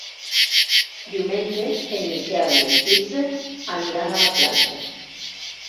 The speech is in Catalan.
Diumenge en Miquel i en Quirze aniran a la platja.